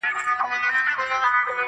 پر " زلمۍ سندرو " عبدالباري جهاني